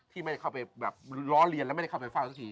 ที่ไม่เข้าไปแบบล้อเลียนแล้วไม่ได้เข้าไปเฝ้าสักที